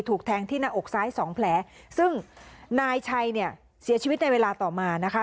ถูกแทงที่หน้าอกซ้ายสองแผลซึ่งนายชัยเนี่ยเสียชีวิตในเวลาต่อมานะคะ